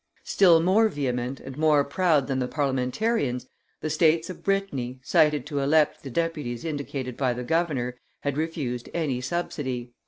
Still more vehement and more proud than the Parliamentarians, the states of Brittany, cited to elect the deputies indicated by the governor, had refused any subsidy.